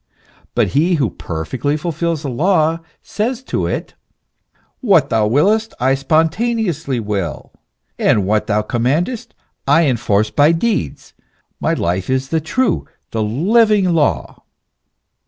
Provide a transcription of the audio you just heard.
But he who perfectly fulfils the law, says to it : What thou wiliest I spon taneously will, and what thou commandest I enforce by deeds ; my life is the true, the living law.